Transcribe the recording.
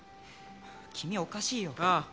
君おかしいよああ